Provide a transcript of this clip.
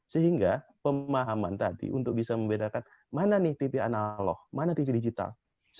sehingga pemahaman tadi untuk bisa membedakan mana nih tv analog mana tv digital